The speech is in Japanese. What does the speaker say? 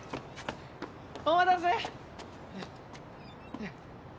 お待たせ！